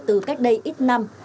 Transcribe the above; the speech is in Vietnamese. từ cách đây ít năm